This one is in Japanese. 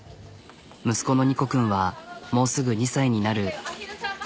息子のニコ君はもうすぐ２歳になる。